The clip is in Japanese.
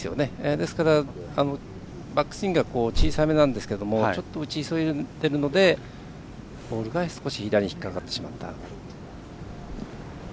ですからバックスイングが小さめなんですがちょっと打ち急いでいるのでボールが少し左に引っ掛かってしまった。